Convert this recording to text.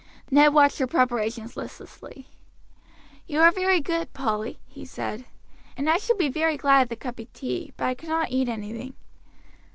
Ned watched her preparations listlessly. "You are very good, Polly," he said, "and I shall be very glad of the cup of tea, but I cannot eat anything."